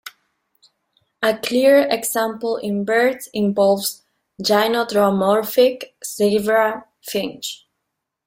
A clear example in birds involves gynandromorphic zebra finch.